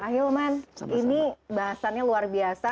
ahilman ini bahasannya luar biasa